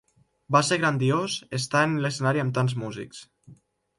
Va ser grandiós estar en l'escenari amb tants músics.